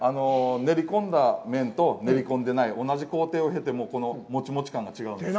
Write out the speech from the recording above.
練り込んだ麺と、練り込んでない同じ工程を経てももちもち感が違うので。